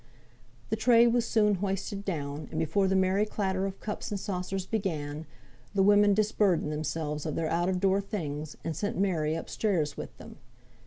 The tray was soon hoisted down, and before the merry chatter of cups and saucers began, the women disburdened themselves of their out of door things, and sent Mary up stairs with them.